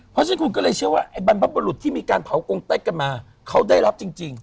เพราะฉะนั้นคุณก็เลยเชื่อว่าไอ้บรรพบรุษที่มีการเผากงเต็กกันมาเขาได้รับจริง